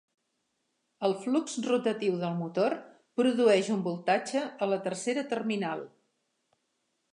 El flux rotatiu del motor produeix un voltatge a la tercera terminal.